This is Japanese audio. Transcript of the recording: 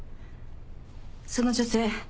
その女性